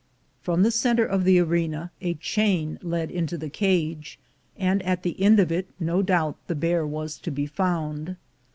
From the center of the arena a chain led into the cage, and at the end of it no doubt the bear was to be found.